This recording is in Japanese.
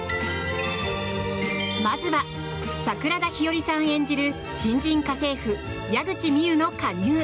まずは、桜田ひよりさん演じる新人家政婦、矢口実優の加入！